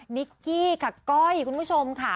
นิกกี้กับก้อยคุณผู้ชมค่ะ